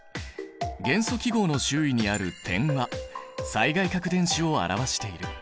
元素記号の周囲にある点は最外殻電子を表している。